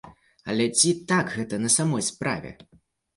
Але ці так гэта на самой справе?